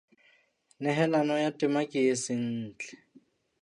Nehelano ya tema ke e seng ntle.